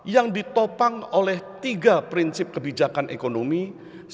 yang ditopang oleh tiga prinsip kebijakan ekonomi serta empat prioritas kebijakan